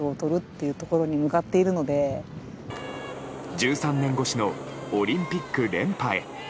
１３年越しのオリンピック連覇へ。